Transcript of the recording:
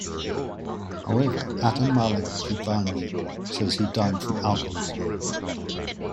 However, Ata-Malik Juvayni says he died from alcoholism.